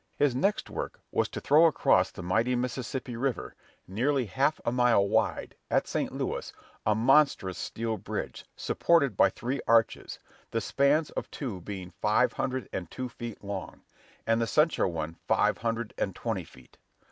His next work was to throw across the mighty Mississippi River, nearly half a mile wide, at St. Louis, a monstrous steel bridge, supported by three arches, the spans of two being five hundred and two feet long, and the central one five hundred and twenty feet.